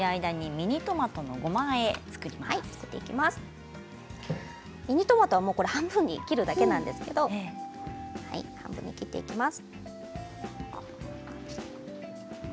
ミニトマトは半分に切るだけなんですけれど半分に切っていきます。